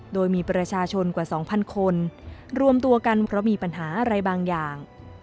โดยมีประชาชนกว่า๒๐๐คนรวมตัวกันเพราะมีปัญหาอะไรบางอย่าง